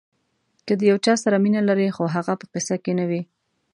که د یو چا سره مینه لرئ خو هغه په قصه کې نه وي.